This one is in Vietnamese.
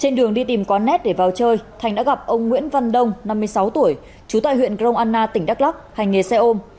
hết để vào chơi thành đã gặp ông nguyễn văn đông năm mươi sáu tuổi chú tại huyện grong anna tỉnh đắk lóc hành nghề xe ôm